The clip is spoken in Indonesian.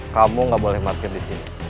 kamu ga boleh market gimana